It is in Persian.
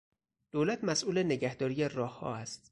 دولت مسئول نگهداری راهها است.